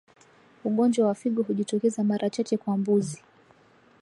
Ugonjwa wa figo hujitokeza mara chache kwa mbuzi